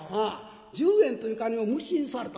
十円という金を無心された。